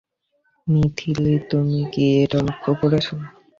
মিথিলি, তুমি কি এটা লক্ষ্য করেছো?